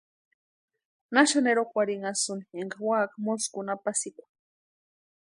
¿Naxani erhokwarhinhasïni énka úaka moskuni apasikwa?